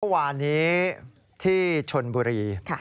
วันนี้ที่ชลบุรี